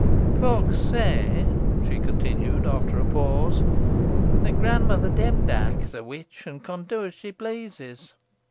"Folks say," she continued, after a pause, "that grandmother Demdike is a witch, an con do os she pleases.